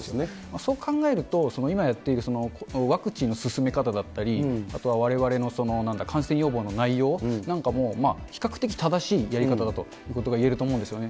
そう考えると、今やっている、ワクチンの進め方だったり、あとはわれわれの感染予防の内容なんかも、比較的正しいやり方だということがいえると思うんですよね。